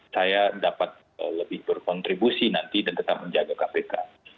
saya dapat lebih berkontribusi nanti dan tetap menjaga kpk